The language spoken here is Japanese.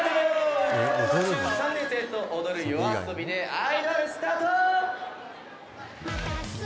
「庚午中３年生と踊るＹＯＡＳＯＢＩで『アイドル』」「スタート！」